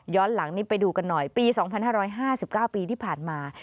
หลังนี้ไปดูกันหน่อยปี๒๕๕๙ปีที่ผ่านมา